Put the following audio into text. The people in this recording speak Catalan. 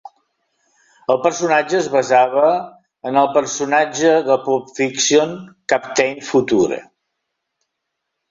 El personatge es basava en el personatge de pulp fiction Captain Future.